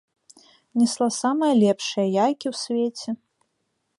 Несла самыя лепшыя яйкі ў свеце.